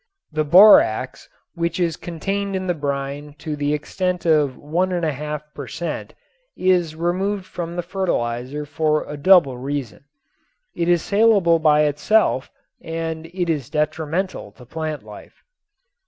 The borax which is contained in the brine to the extent of 1 1/2 per cent. is removed from the fertilizer for a double reason. It is salable by itself and it is detrimental to plant life.